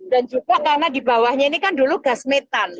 dan juga karena dibawahnya ini kan dulu gas metan